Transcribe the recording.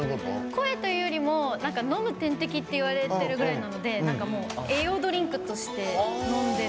声というよりものむ点滴っていわれてるぐらいなので栄養ドリンクとして飲んでる。